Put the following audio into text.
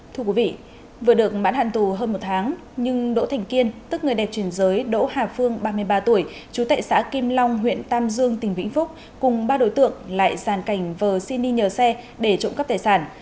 thưa quý vị vừa được mãn hạn tù hơn một tháng nhưng đỗ thành kiên tức người đẹp truyền giới đỗ hà phương ba mươi ba tuổi chú tệ xã kim long huyện tam dương tỉnh vĩnh phúc cùng ba đối tượng lại giàn cảnh vờ xin đi nhờ xe để trộm cắp tài sản